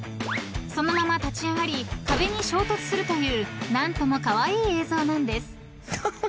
［そのまま立ち上がり壁に衝突するという何ともカワイイ映像なんです］